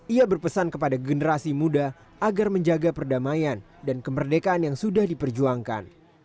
ia berpesan kepada generasi muda agar menjaga perdamaian dan kemerdekaan yang sudah diperjuangkan